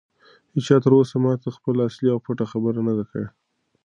هیچا تر اوسه ماته خپله اصلي او پټه خبره نه ده کړې.